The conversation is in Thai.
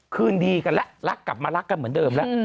คืนดีกันแล้วรักกลับมารักกันเหมือนเดิมแล้ว